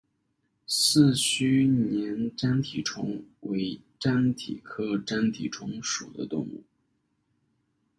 四须鲃粘体虫为粘体科粘体虫属的动物。